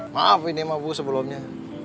maaf ini mah bu sebelumnya